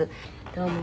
どうも。